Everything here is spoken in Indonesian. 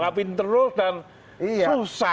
jawabin terus dan susah